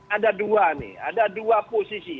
ada dua nih ada dua posisi